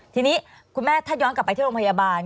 ทีนี้คุณแม่ถ้าย้อนกลับไปที่โรงพยาบาล